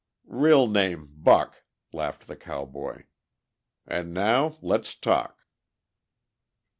"Real name, Buck," laughed the cowboy. "And now, let's talk."